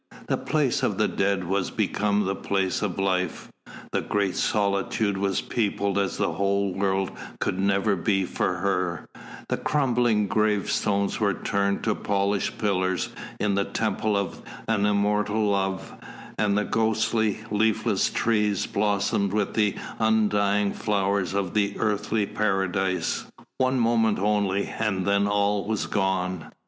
The place of the dead was become the place of life; the great solitude was peopled as the whole world could never be for her; the crumbling gravestones were turned to polished pillars in the temple of an immortal love, and the ghostly, leafless trees blossomed with the undying flowers of the earthly paradise. One moment only, and then all was gone.